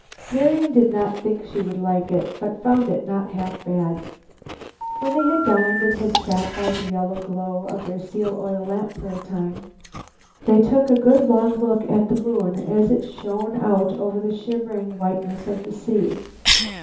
Marian did not think she would like it, but she found it not half bad. When they had dined, and had sat by the yellow glow of their seal oil lamp for a time, they took a good long look at the moon as it shone out over the shimmering whiteness of the sea.